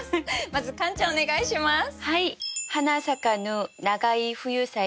まずカンちゃんお願いします。